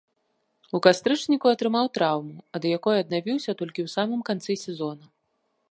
У кастрычніку атрымаў траўму, ад якой аднавіўся толькі ў самым канцы сезона.